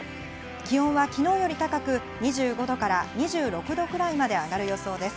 気温は昨日より高く２５度から２６度くらいまで上がる予想です。